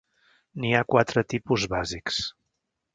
N’hi ha quatre tipus bàsics.